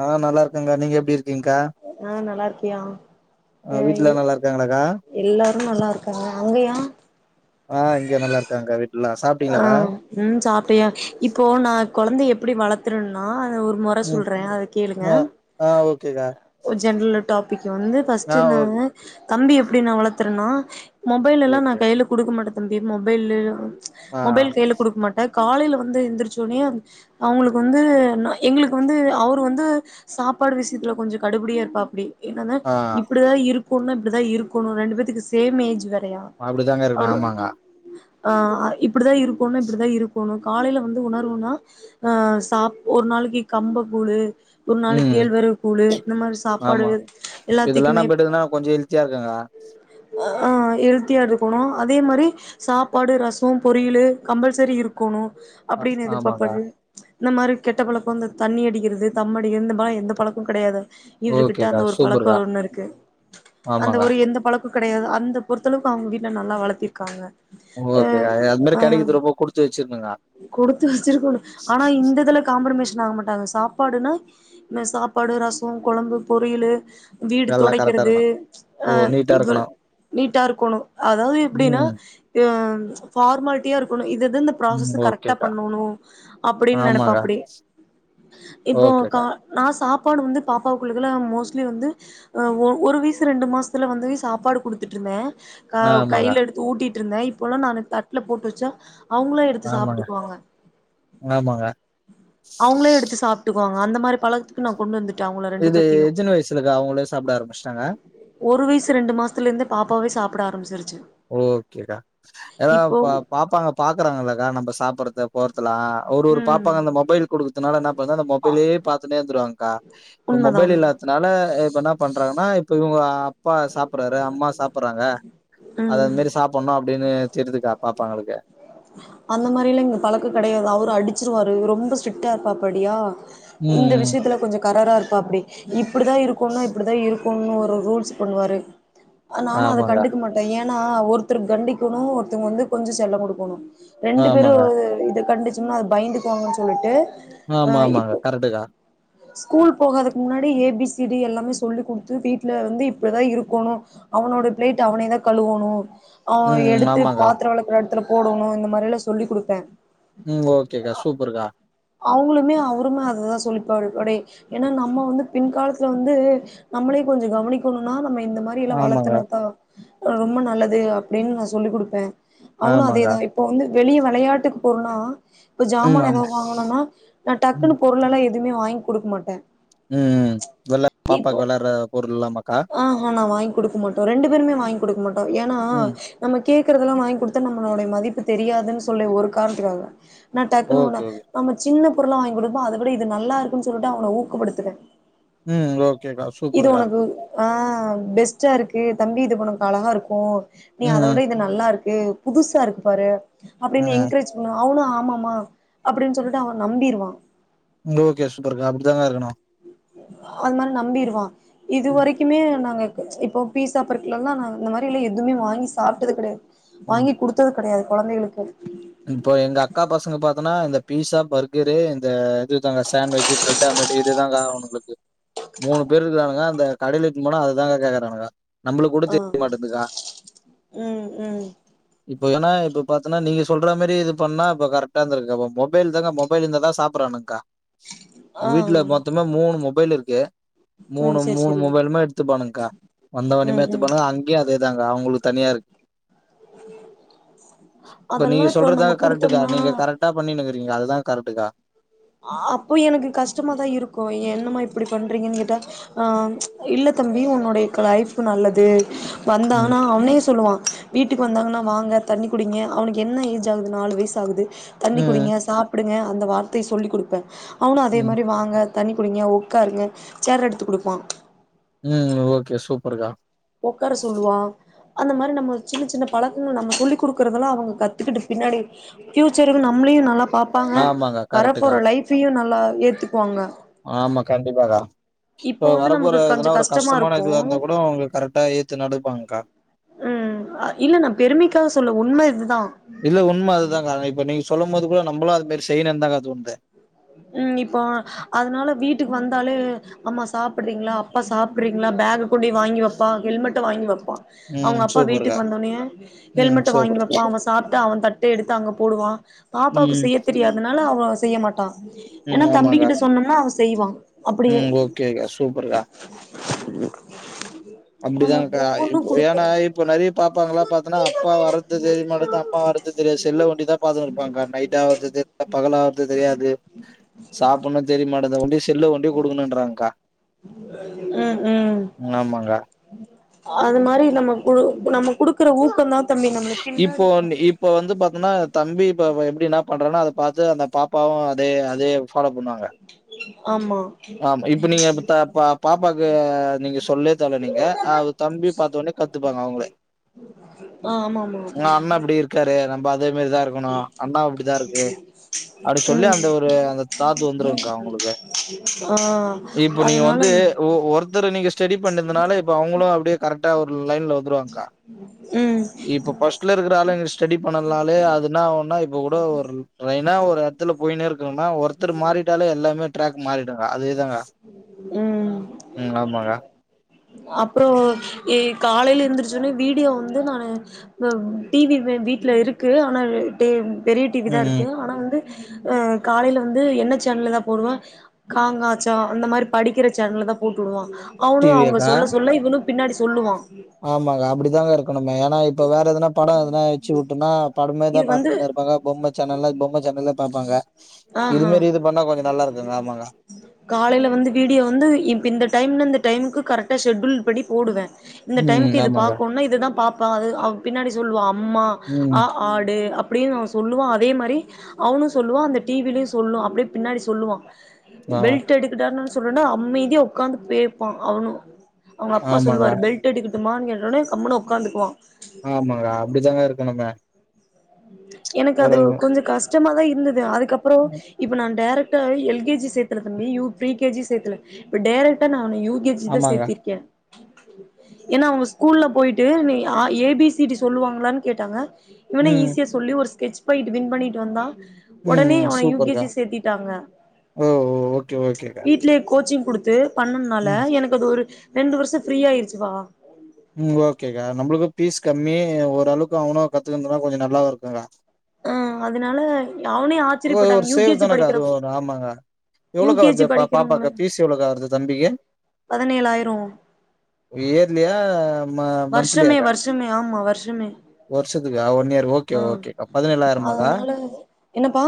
ஆஹ் நல்லா இருக்கு. ங்க நீங்க எப்படி இரு ஆஈு நல்லா இருக்கியா ஆ வீட்ல அஹ் நல்லா இருக்காங்களாக்கா எல்லா. நல்லா இருக்காங்க அங்கயா ஆஹ் இங்க நல்ல இருக்காங்க ஆ ம் சாப்பிட்டியா இப்போ நா. குழந்தை எப்படி வளர்த்துும்ன்னா இதல் ஒரு முற ம் சொல்றேன் அத கேளுங்க ஆ ஆ ஓகேக்கா ஜென்ரல் டாபிக் வந்து பஸ்ட் ஆ நா ஓகே தம்பி எப்படின் நா வளர்த்தறேன்னா மொபைல் எல்லா நா ஓகே கையில குடுக்க மாட்டதன். அ மொபைல். ஆ மொபைல் கையில குடுக்க மாட்டே காலையில வந்து எழுந்திரிச்சோடனே அவுங்களுக்கு வந்து எங்களுக்கு வந்து அவர் வந்து சாப்பாடு விஷியத்தில் கொஞ்சம் கடுபடியாக இருப்பா அப்படி. என்னதா ஆ இப்படிதா இருக்குனு தா இருக்கணும் ரெண்டு பேத்துக்கு சேம் ஏஜ் வேர அப்படித்தாங்க இருக்கணு ஆமாங்க. ஆஹ இப் இப்படிதான் இருக்கணு இப்படிதா இருக்கணு காலையில வந்து உணர்வுனா அ சாப் ஒரு நாளைக்கு கம்ப கூழு. ஒரு நாளை ம் கேழ்வரகு கூழ் இந்த மாதிரி சாப்பாடு ஆமா இதெல்லா எல்லாத்துக்குமே. நம்ம எடுக்கனா கொஞ்சோ ஹெல்த்தியா இருக்குங்கா ஆனால ஆஊ ஹெவ்தகமத இந்த ஊராட்சி ஈஐ அ உ இருக்கணும் அதே மாதிரி சாப்பாடு ரசம் பொரியல் கம்பல்சரி இருக்கணு ஆ அப்படின்னு ஆமாங்கா எதிர்பார்ப்பரு. இந்த மாதிரி கெட்ட பழக்கம் இந்த தண்ணி அடிக்கிறது தம் அடிக்கிறது இந்த மாதிரிலாம் எந்த பழக்க கஸ்டையாது இவரு கிட்ட ஓகேக்கா அந்த ஒரு பழக்க சூப்பர்க்கா ஒண்ணு இருக்கு அந்த ஆமாங்க ஒரு எந்த பழக் கிடையாது அந்த பொறுத்தளவுக்கு அவங்க வீட்டல நல்லா வளர்த்திருக்காங்க ஆ ஓகேக்கா அது மாரி அ கெடைக்கறது ரொம்ப குடுத்து வச்சிருணுங்க கொடுத்து வச்சிருக்கணு ஆனா இந்ததுல காம்ப்ரமேஷன் ஆக மாட்டாங்க சாப்பாடுன்னா சாப்பாடு ரசொ கொழம்பு பொரியல்லு வீடு நல்லா கரெக்டா துடைக்கிறது இருக்கணு ஓ அ நீட்டா இது இருக்கணு நீட்டா இருக்கணும் அதாவது எப்படின்னா ம் ஃபார்மாலிட்டியா இருக்கணு இது இந்த ம் ப்ராஸ்ச கரெக்டா ஓகேக்கா பண்ணணு அப்படின்னு ஆமாங்க நெனைப்பாப்படி இப்போ கா ஓகேக்கா நா சாப் சப்பாடு வந்து பாப்பாக்குள்ளக்கல மோஸ்ட்லி வந்து ஒரு வயசு ரெண்டு மாசத்துல வந்த வ சாப்பாடு கொடுத்துட்டுருந்தேன் ஹ ஆமாங்க கையில் எடுத்து ஊட்டிட்டு இருந்தேன் இப்பல்லா நான் தட்ல போட்டு வெச்சா அவுங்களே எடுத்து ஆமாங்க சாப்பிட்டுக்குவாங்க ஆமாங்க அவுங்களே எடுத்து சாப்பிட்டுக்குவாங்க அந்த மாதிரி பழகத்துக்கு நா கொண்டு வந்துட்டு இது எத்தன வயசுலுக்கா அவங்களே சாப்பிட ஆரம்பிச்சட்டாங்க ஒரு வயசு ரெண்டு மாசத்துல இருந்து பாப்பாவே சாப்பிட ஆரம்பச்சிரு ஓகேக்கா ஏன்னா இப்போ பாப்பாங்க பாக்குறாங்களக்கா நம்ம சாப்படுறது ஒரு ம் பாப்பா அந்த மொபைல் கொடுக்கு அதனால என்ன அந்த மொபைலே பாத்து இருந்துருவாங்க கா இப்ப உண்மதா மொபைல் உண்மதா இல்லாதத்தனால இப்ப என்ன பண்றாங்கன்னா இப்ப இவங்க அப்பா சாப்பிறாரு அம்மா சாப்பறாங்க அது அது ம் மாதிரி சாப்பிடணும் அப்படின்னு தெரியுதுக்கா பாப்பாங்களுக்கு அந்த மாரிலா இங்க பழக்கோ கெடையாது அவரும் அடிச்சிருவாரு ரொம்ப ஸ்ட்ரிக்டா இருப்பாப்படியா இந்த ம் விஷயத்துல கொஞ்சோ கரரா இருப்பாப்படி இப்ப இப்படிதான் இருக்கும்னா இப்படிதான் இருக்கும் பொண்ணு ஒரு ரூல்ஸ் பண்ணுவாரு நானும் அதை ஆமாங்க கண்டுக்க மாட்டேன் ஏன் ஆனா ஒருத்தருக்கு கண்டிக்கணும் ஒருத்தங்க வந்து கொஞ்சம் செல்லம் கொடுக்கணும் ரெண்டு ஆமாங்க பேரும் இத கண்டிச்சு சும்மா அது பயந்துக்குவாங்கன்னு சொல்லிட்டு அ ஆமா ஆமாங்க இப்போ கரெக்ட்டு க்கா ஸ்கூல் போகாததுக்கு முன்னாடி ஏபிசிடி எல்லாமே சொல்லி் கொடுத்து வீட்ல வந்து இப்டிதான் இருக்கணும் அவனோட பிளைட் அவனே தான் கழுவணும் அவ ம் எடுத்து ஆமாங்கா பாத்திர வெளக்குற எடத்துல போடணோ இந்த மாரிலா சொல்லி குடுப்பேன் ம் ஓகேக்கா சூப்பர்க்கா அவுங்குளுமே அவருமே அதுதா சொல்லிப்பா படி ஏனா நம்ம வந்து பின் காலத்துல வந்து நம்மளே கொஞ்ஜோ கவனிக்கணும்னா நம்ம இந்த மாரி எல்லாம் ஆமாங்க வளத்துனா தான் ரொம்ப நல்லது அப்டின்னு நா சொல்லி குடுப்பேன் அவுனு ஆமாங்க அதேதா இப் வந்து வெளிய வெளையாட்டுக்கு போறனா இப்ப ம் ஜாமான் எதா ஆமா வாங்கணுன்னா நா ம் டக்குன்னு பொருளல்லா எ துமே வாங்கி குடுக்க மாட்ட ம் வெளா இப்போ பாப்பாக்கு வெளாட்ற பொருள்லாமாக்கா ஆ ஆனா வாய்ங்க் குடுக்க மாட்டோ ரெண்டு பேருமே வாய்ங்க் குடுக்க மாட்டோ ஏனா ம் நமக் கேக்குறதெல்லா வாய்ங்க் குடுத்தா நம்மளோடைய மதிப் பு தெரியாதுன் ‌சொல்ல ஒரு காரணத்துக்காக நா டக்குனு ஒன்னு ஓகே ஓகே நம்ம சின்னப் பொருளா வாய்ங்க் குடுப்போ அத விட இது நல்லா இருக்குன் சொல்லிட்டு அவன ஊக்கப்படுத்துவ ம் ஓ கேக்கா சூப்பர்க்கா ஆ பெஸ்ட்டா இருக்கு தம்பி இது ஒனக்கு அழகா‌‌ இருக்கு நீ ம் அதோட ம் இது நல்லா இரு க்கு புதுசா இருக்கு பாரு அப்டினு ம். என்க்ரேஜ் பண்ணுவ அவனு ஆமாமா அப்டின் சொல்லிட்டு அவ நம்பிருவா ஓகே சூப்பர்க்கா அப்டித்தாங்கா இருக்கணு அந் மாரி நம்பிருவா இது ம் ‌வரைக்குமே நாங்க இப்போ பீஸா பர்க்லலா நா இந்த மாரில்லா எதுமே வாங்கி சாப்ட்டது ‌கடையாது ம் வாங்கி குடுத்தது கடையாது கொழந்தைகளுக்கு இப்போ எங்க அக்கா பசங்க பாத்தோனா இந்த பீஸா பர்கரு இந்த இதுதா சாண்ட்வெஜ்ஜு ப்ரட் ஆம்லேட் இதுதாங்கா அவ்ங்களுக்கு மூணு பேர் இருக்குறானுங்க அந்த கடையில இத்துட் போனா அது தாங்க கேக்குறானுங்க நம்ப்ளுக் கூட ஆ தெரிய மாட்டுதுக்கா ம் ம் இப்ப ஏன்னா இப்ப பாத்தனா நீங்க சொல்ற மேரி இது பண்ணா இப்ப கரெக்ட்டா இருந்துக்கா இப்ப மொபைல் தாங்கா மொபைல் இந்தாதா சாப்புர்றானுங்க்கா ஆ வீட்ல ம் மொத்தமா மூணு மொபைல் இரு க்கு மூணு சேரி மூணு சேரி மொபைலுமே எடுத்துப்பானுங்க்கா வந்த மணிமே ம் ம் எத்துப்பாணுங்க அங்கியு அதே தாங்கா அவ்ங்களு தனியா இரு இப்ப அதெல்லா நீங்க இப்போ நம்ம சொல்றதாங்கா கரெக்ட்டுக்கா குடுத்தோம்னா நீங்க கரெக்ட்டா பண் ணுக்கிறீங்க அதுதா கரெக்ட்டுக்கா அப்போ எனக்கு கஷ்டமாதா இருக்கு என்னமா இப்டி பண்றீங்கன் கேட்டா ஆ இல்ல தம்பி உன்னோடைய லைஃப் நல்லது ம் வந்தாங்கனா அவனே சொல்லுவா வீட்டுக்கு வந்தாங்கனா வாங்க தண்ணி குடிங்க அவனுக்கு என்ன ஏஜ் ஆகுது நாலு வயசுஆகுது தண்ணி ம் குடிங்க சாப்டுங்க அந்த வார் த்தை சொல்லி குடுப்பே அவுனோ அதே ம் மாரி வாங்கே தண்ணீக் குடிங்கே ஒக்கார்ங்கே சேர்ரே எடுத்து குடுப்பா ம் ஓகே சூப்பருக்கா ஒக்கார சொல்லுவா அந்த மாரி நம்ம சின்ன சின்ன பழக்குங்க நம்ம சொல்லி குடுக்கறதெல்லா அவுங்கே கத்துக்கிட்டு பின்னாடி ஃபியூச்சர்லேயு நம்ளியூ நல்லாப் பாப்பாங்கே ஆமாங்க கரெக்ட்டுக்கா வரப்போற லைஃப்புயு நல்லா ஏத்துக்வாங்க ஆமா கண்டிப்பாக்கா இப்போ இப்ப வந்து வரப்போற நமக்கு கொஞ்ச எதுனா ஒரு கஷ்டமா கஷ்டமான இருக்கோ இதுவா இருந்தா கூட அவங்க கரெக்டா ஏத்து நடப்பாங்கக்கா ம் ஆ இல்ல நா பெருமைக்காக சொல்லே உண்மே இதுதா இல்லே உண்ம அதுதாகா ஆ இப்ப நீங்க சொல்லோம்மோது குடோ நம்பளோ அது மாரி செய்யுனுந்தாங்கா தோண்தே ம் இப்போ அதுனால வீட்டுக் வந்தாலே அம்மா சாப்பிட்றீங்ளா அப்பா சாப்பிட்றீங்ளா பேக்கு குடி வாங்கி வெப்பா ஹெல்மெட் த வாங்கி வெப் பா அவுங்க ம் அப்பா சூப்பர்க்கா வீட்டுக் வந்தோனியே ம் ஹெல்மெட்டே வாங்கி சூப்பர் வெப்பா அவெ சாப்ட்டே அவெ தட் டே எடுத்து அங்கே போடுவா பாப்பாவுக் ம் செய்யே தெரியாதுனால அவோ செய்யே மாட்டா எனா ம் தம்பிக் ஆமாங்கா கிட்ட சொன்னும்னா அவே செய்வா அப்டியே ம் ஓகேக்கா, சூப்பர்க்கா நம்ம அப்டிதாங்கக்கா ஒவ்வொன்னு இப்ப ஏன்னா குடுக்குறோ இப்ப நெறைய பாப்பாங்கல்லா பாத்தன்னா அப்பா வர்றது தெரிய மாட்டது அம்மா வரது தெரியாது செல்ல ஒண்டிதா பாத்துன்னு இருப்பாங்கா நைட் ஆவ்றது தெரியாது பகல் ஆவ்றது தெரியாது சாப்புன்னு தெரிய மாட்டுது செல்ல ஒண்டி குடுக்கணுன்றாங்கா ம் ம் ஆமாங்கா அது மாரி நம்ம கு நம்ம குடுக்குற ஊக்கங்தா இப்போ இப்ப வந்து பாத்தன்னா தம்பி இப்ப அவ எப்டி என்ன பண்றானோ அத பாத்து அந்த பாப்பாவு அதே அதயே ஃபாலோ பண்ணுவாங்க ஆமா ஆமா இப்ப நீங்க பா பாப்பாக்கு நீங்க சொல்லே தேவலங்க நீங்க தம்பி பாத்த உனே கத்துப்பாங்க அவங்களே ஆ ஆமா ஆமா ஆ அண்ணா இப்டி இருக்காரே அப்டி சொல்லி அந்த ஒரு அந்த தாத்து வந்துருங்க்கா அவங்களுக்கு ம் ஆ இப்போ நீங்க அதனால வந்து ஒ ஒருத்தர் நீ ஸ்டடி பண்ணறதுனால இப்ப அவங்களு அப்டியே கரெட்டா லைன்ல வந்துருவாங்கா ம் இப்ப பஸ்ட்ல இருக்குற ஆளு ஸ்டெடி பண்ணதுனாலே அது என்னாவுனா கூட ஒரு ரைனா ஒரு இடத்துல போய்னே இருக்குறனா ஒருத்தர் மாறிட்டாலே எல்லாமே டிராக்ட் மாறிட்டாங்க அதேதாங்க உம் ஆமாங்க அப்புறோ காலைல எந்துருச்சோனே வீடியோ வந்து நானு டிவி வீட்டுல இருக்கு ஆனா பெரிய டிவி தா ம் ம் இருக்குது ஆனா வந்து அஹ் காலைல வந்து என்ன சேனல்லதான் போடுவ க ங ச அந்த மாரி படிக்கிற சேனல்ல தா போட்டு டுவான்கா டிவியாக்கா இவனு பின்னாடி சொல்லுவான் ஆமாங்க அப்டிதாங்க ருக்கணும் இப்ப வேற எதனா படம் எதனா வச்சு விட்டும்னா இது படமேதான் வந்து பாத்துனு ருப்பாங்க பொம்ம சேனல்ல பொம்ம சேனல் பாப்பாங்க ஆ இது மாரி இது பண்ணா கொஞ்சோ நல்லா இருக்குங்க ஆமாங்க காலைல வந்து வீடியோ வந்து இ இந்த டைம்ல இந்த டைமுக்கு கரெக்ட் ஷெட்யூல் படி போடுவே இந்த ம் டைமுக்கு இது ஆமாங்க பாக்கணும்னா இதுதா பா ஆ அது அவ் பின்னாடி சொல்லுவான் அம்மா ம் ஆ ஆடு அப் அப்டின்னு அவன் சொல்லுவான் அதே மாரி அவனும் சொல்லுவான் அந்த டிவிலயும் சொல்லும் அப்படியே பின்னாடி சொல்லுவான் ஆ பெல்ட்டு எடுக் சொல்றேன்னா அமைதியா உட்காந்து கேப்பான் அவனும் அவுங்க அப்பா ஆமாங்க சொல்லுவாரு பெல்ட்டு எடுக் எம்மானு கேட்ட உடனே கம்முனு உட்காந்துக்குவான் ஆமாங்க அப்டித்தாங்க இருக்கணுங்க எனக்கு அது ஒரு கொஞ்சோ கஷ்டமா தான் இர இந்த இது யாருக்கு கப்புறோ இப்ப நா டேரக் ட்டா எல் கே ஜி சேர்த்தல தம்பி யூ பிரீ கே ஜி சேர்த்தல இப்ப டேரெக்டா நா யூ கே ஜி தா ஆமாங்க சேர்த்திருக்கே ஏன்னா அவுங்க ஸ்கூல்ல போயிட்டு நீ அ ஏபிசிடி சொல்லுவாங்களானு கேட்டாங்க இவனே ம் ஈசி ஒரு ஸ்கெச் பாக்கெட் வின் பண்ணிட்டு வந்தா ஒடனே ம் அவன யூ கே சூப்பர்க்கா ஜி சேர்த்திட்டாங்க ஓ ஓ ஓகே ச்ச் ஓகேக்கா வீட்லயே கோச்சிங் குடுத்து பண்ணண்னால ம் எனக்கு அது ஒரு ரெண்டு வர்ஷோ ஃப்ரீயா ஆயிருச்சுப்பா ம் ஓகேக்கா நம்ப்ளுக்கு பீஸ் கம்மி ஓரளவுக்கு அவனு கத்து வந்துருவா கொஞ்ச நல்லாவு இருக்குக்கா ஆ அதனால அவனே ஒ ஒரு ஆச்சரியப்பட்டாங்க யூ சேவ கே ஜி தானேக்கா படிக்கிற அதுவு ஒரு ஆமாங்கா யூ எவ்வளோக்கா கே வருது ஜி பாப் படிக்கிறவங்கள பாப்பாக்கு பீஸ் எவ்வளோக்கா வருது தம்பிக்கு பதினேழாயிரோ ஏரலியா அ ம வருஷமே மந்த்லியாக்கா வருஷமே ஆமா வருஷமே வருஷத்துக்கா ஒன் யைர் ஓகே ஆ ஓகே பதினேளாயிரமாக்கா அதனால என்னப்பா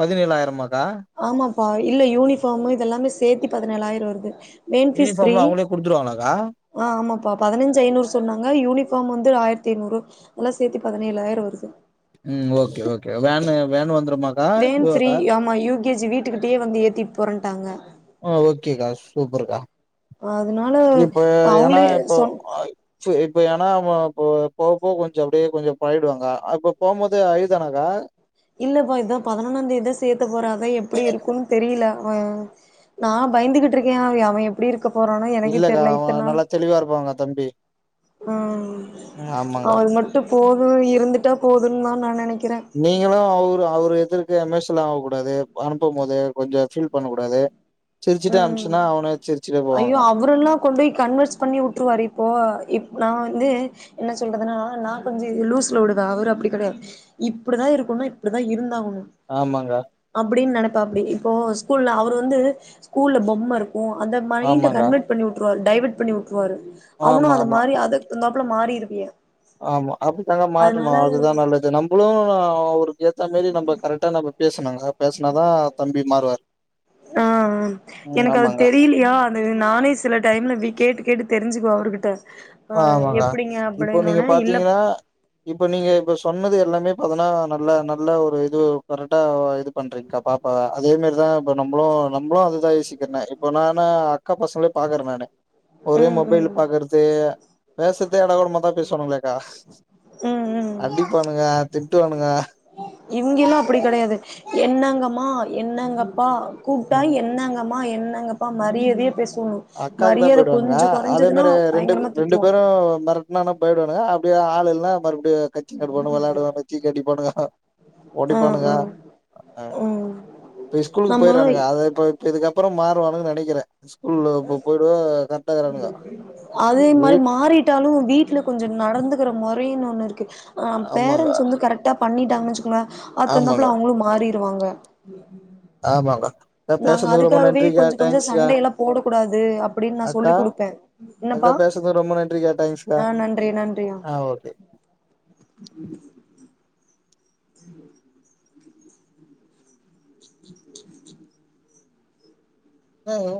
பதினேளாயிரமா அ ப்பா இல்ல யூனிஃபார்மு இது எல்லாமே சேத்தி பதினேளாயிரோ வருது மெயின் பீஸ் ஃப்ரீ யூனிஃபார்ம்லா அவங்களே குடுத்துருவாங்களாக்கா அ ஆமாப்பா பதினெஞ்சி ஐநூறு சொன்னாங்க யூனிஃபாம் வந்து ஆய்ர்த் திநூறு எல்லா சேத்தி பதினேளாயிரோ வருது ம் ஓகே ஓகே வேனு வேனு வந்துரு வேன் ஃப்ரீ ஆமா யூ கே ஜி வீட்டுக்கிட்டயே வந்து ஏத்திட் போறேன்ட்டாங்க அ ஓகேக்கா சூப்பர்க்கா அதனால இப்ப ஏ ஏன்னா அவங்களே இப்போ சொன் அ செரி இப்ப ஏன்னா அவுங்க போ போகப்போக கொஞ்சோ அப்டியே கொஞ்சோ பழடுவாங்காஅப்ப போகும் போது அழுதானாக்கா இல்லப்பா இதா பதினொன்னாந்தேதிதா சேத்த போற அத எப்டி இருக்குன் தெரில அவ நா பயந்துகிட்ருக்கே அவெ எப்டி இரு இல்லக்கா அவ நல்லா தெளிவா இருப்பாங்க்கா தம்பி ம் ம் ஆமாங்க அவுமட்டு போது இருந்துட்டா போதுன்னா நா நெனைக் நீங்களு அவ்ரு அவுரு துற்கு எமோஷல் ஆவ கூடாது அ அனுப்பம்போது கொஞ்சோ ஃபீல் பண்ண கூடாது சிரிச்சுட்டு ம் அனுப்ச்சுன்னா அவனே சிரிச்சுட்டே ஐயோ போவாங்க அவுரெல்லா கொண்டொய் கன்வின்ஸ் பண்ணி வுட்ருவாரு இப்போ இப் நா வந்து என்ன சொல்றதுனா நா கொஞ்ச லூஸ்ல உடுவே அவுரு அப்டி கெடையா இப்டிதா இருக்குன்னா இப்டிதா இருந்தாகு ன் ஆமாங்க அப்புடின் நெனப் ப்ப அப்டி இப்போ ஸ்கூல்ல அவுரு வந்து கூல்ல பொம்மருக் உ அந்த மைண்ட ஆமாங்க கன்வெர்ட் பண்ணி உட் ட்ருவா‌ டைவர்ட் பண்ணி உ ட்ருவாரு அவனு ஆமா அத ஆமா மாரி அதுக்தகுந்தாப்ல மாறி இரு வியா ஆமா அப்டி தாங்க மாறணு அதுதா நல்லது நம்பளு ஒரு ஏத்த மேரி நம்ப கரெட்டா நம்ப பேசுனாங்க பேசுனாதா தம்பி மாறுவார் ஆ எனக்கது ஆமாங்க தெரிலெயா அது நானே சில டைம்ல இப்டி கேட்டு கேட்டு தெரிஞ்சுக்குவ அவர்கிட்ட ஆ அ ஆமாங்கா எப்டிங்க இப்போ நீங்க அப்டின்னோனே இல்ல பாத்தீங்கனா இப்ப நீங்க இப்ப சொன்னது எல்லாமே பாத்தனா நல்ல நம் ல்ல ஒரு இது கரெக்டா இது பண்றீங்க்கா பாப்பாவ அதே மாரிதா இப்ப நம்பளு நம்ளு அதுதா‌ யோசிக்றனெ இப்ப நானு அக்கா பசங்ளயெ பாக்குற நானு ஒரே ம் மொபைல் ம் பாக்குறது பேச தே ஏடாகொடமா தா பேசுவானுங்களேக்கா ம் ம் அடிப்பானுங்க திட்டுவானுங்க இங்கெல்லா அப்புடி கெடையாது என்னங்கம்மா என்னங்கப்பா கூப்ட்டா ம். என்னங்கமா என் னங்கப்பா மரியதையா பேசு அக்காக்கு தா பயடுவானுங்க அதே மாரி ரெண்டு பயங்கரமா ரெண்டு திட்டுவா பேரு மெரட்னன பயப்டுவானுங்க அப்டியே ஆள் இல்னா மறுபுடியு [unintelligible] வெளாடுவானு [unintelligible] அடிப்பானுங்க ஆ ஒடிப்பானுங்க ஆ ஆ ம் பொய் ஸ்கூலுக் நம்ம போயிர்றானுங்க அத இப்ப இதுக்கப்பறொ மாறுவானுங்க நெனக்கிறே அதே மாரி வீட் மாறிட்டாலு வீட்ல கொஞ்ச நடந்துகுற மொ ஃப்ரீ ஒண்ணு இருக்கு ஆஹ் ஆமாங்க பேரன்ட்ஸ் வந்து கரெக்டா பண்ணிட் டாங்கனு வெச்சிகோங்கல ஆமாங்க அத்தந்தாப்போல அவங்களு மாறி வாங்க ஆமாங்கா நாங்க அதுக்காகவே கொஞ்ச கொஞ்ச சண்டையல்லா போடக்கூடாது அப்படின்னு நா அக்கா சொல்லி் குடுப்பே என்னப்பா அக்கா பேசுனதுக்கு ரொம்ப நன்றிக்கா தேங்க்ஸ்க்கா ஆஹ் நன்றி நன்றி ஆஹ் ஆ ஹலோ